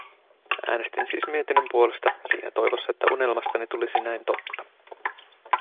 Äänestin siis mietinnön puolesta siinä toivossa, että unelmastani tulisi näin totta.